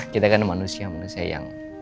kita kan manusia manusia yang